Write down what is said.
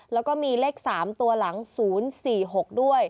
แล้วก็มีเลข๓ตัวหลัง๐๔๖ด้วย